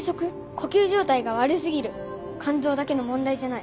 呼吸状態が悪過ぎる肝臓だけの問題じゃない。